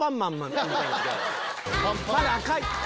まだ赤い。